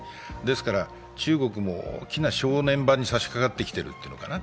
中国も大きな正念場にさしかかってきているというのかな。